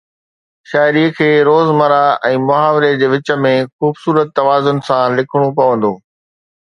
شاعري کي روزمرهه ۽ محاوري جي وچ ۾ خوبصورت توازن سان لکڻو پوندو